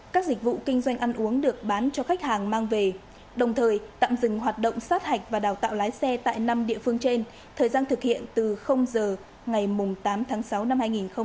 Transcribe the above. các dịch vụ kinh doanh ăn uống được bán cho khách hàng mang về đồng thời tạm dừng hoạt động sát hạch và đào tạo lái xe tại năm địa phương trên thời gian thực hiện từ giờ ngày tám tháng sáu năm hai nghìn hai mươi